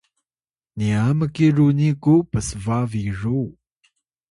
niya mki runi ku psba biru